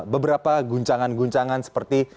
beberapa guncangan guncangan seperti